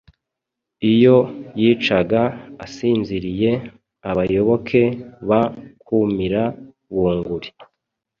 Iyo yicaga asinziriye abayoboke ba Kumira bunguri